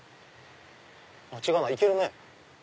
違うな行けるね。